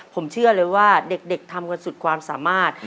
ผมเชื่อเลยว่าเด็กทำกันสุดความสามารถ